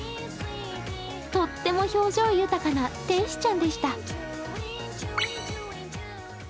とっても表情豊かな天使ちゃんでした。